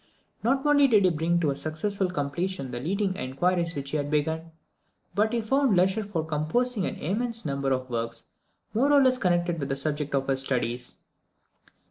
Not only did he bring to a successful completion the leading inquiries which he had begun, but he found leisure for composing an immense number of works more or less connected with the subject of his studies.